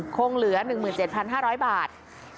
คงเหลือ๑๗๕๐๐บาท